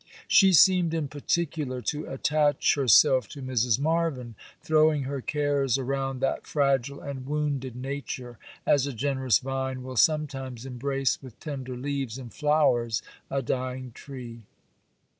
She seemed in particular to attach herself to Mrs. Marvyn; throwing her cares around that fragile and wounded nature, as a generous vine will sometimes embrace with tender leaves and flowers a dying tree.